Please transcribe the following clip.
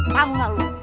tau gak lu